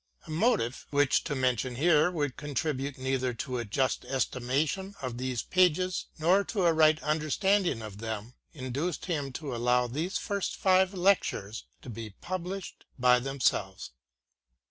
A motive — which to mention here would contribute neither to a just estimation of these pages, nor to a right understanding of them — induced him to allow these first five Lectures to be published by themselves.